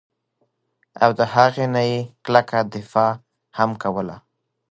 او د هغې نه ئي کلکه دفاع هم کوله